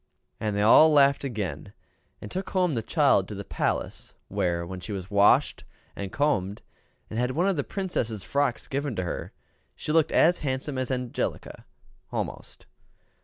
And they all laughed again, and took home the child to the palace; where, when she was washed and combed, and had one of the Princess' frocks given to her, she looked as handsome as Angelica, almost.